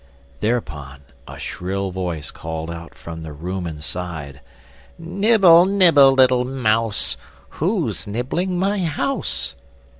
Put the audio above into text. Thereupon a shrill voice called out from the room inside: "Nibble, nibble, little mouse, Who's nibbling my house?"